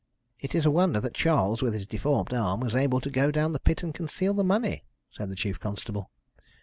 "It is a wonder that Charles, with his deformed arm, was able to go down the pit and conceal the money," said the chief constable.